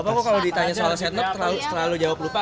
bapak kalau ditanya soal setnop terlalu jawab lupa